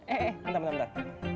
eh eh bentar bentar bentar